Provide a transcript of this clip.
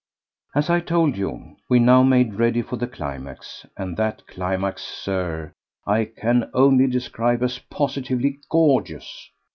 As I told you, we now made ready for the climax; and that climax, Sir, I can only describe as positively gorgeous.